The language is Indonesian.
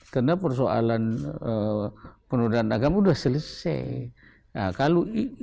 karena persoalan penurutan agama sudah selesai